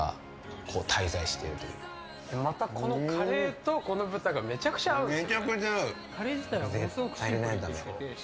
またこのカレーとこの豚がめちゃくちゃ合うんですね。